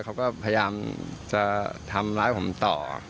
เขาก็พยายามจะทำร้ายผมต่อ